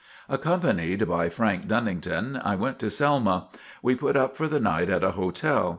Accompanied by Frank Dunnington, I went to Selma. We put up for the night at a hotel.